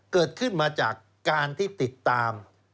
เกิดขึ้นมาจากการที่ติดตาม